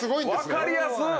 分かりやすっ！